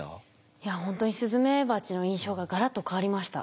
いやほんとにスズメバチの印象がガラッと変わりました。